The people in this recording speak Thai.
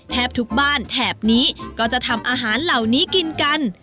แทบทุกบ้านแถบนี้ก็จะทำอาหารเหล่านี้กินกัน